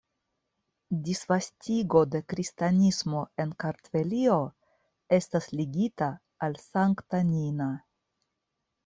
Disvastigo de kristanismo en Kartvelio estas ligita al Sankta Nina.